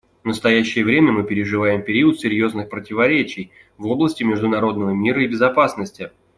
В настоящее время мы переживаем период серьезных противоречий в области международного мира и безопасности.